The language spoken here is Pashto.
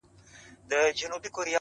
وس پردی وو د خانانو ملکانو-